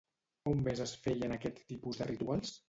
On més es feien aquest tipus de rituals?